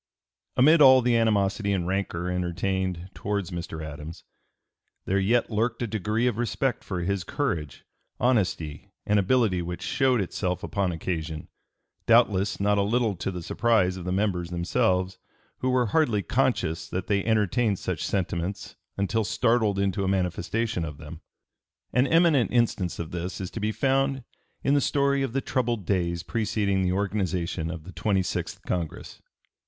Amid all the animosity and rancor entertained towards Mr. Adams, (p. 290) there yet lurked a degree of respect for his courage, honesty, and ability which showed itself upon occasion, doubtless not a little to the surprise of the members themselves who were hardly conscious that they entertained such sentiments until startled into a manifestation of them. An eminent instance of this is to be found in the story of the troubled days preceding the organization of the twenty sixth Congress.